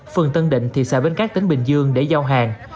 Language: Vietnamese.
phường tân định thị xã bến cát tỉnh bình dương để giao hàng